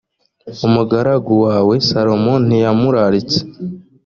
umugaragu wawe salomo ntiyamuraritse